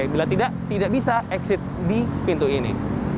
bila tidak tidak bisa exit di pintu ini